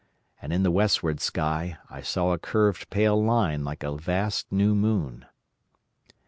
And in the westward sky, I saw a curved pale line like a vast new moon.